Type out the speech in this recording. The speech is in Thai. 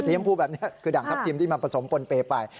เสียงพูดแบบนี้คือด่างทับทิมที่มันผสมปนเปไป